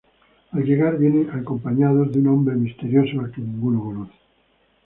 Al llegar, vienen acompañados de un hombre misterioso al que ninguno conoce.